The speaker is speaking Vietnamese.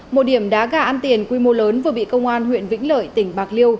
một điểm đá gà ăn tiền quy mô lớn vừa bị công an huyện vĩnh lợi tỉnh bạc liêu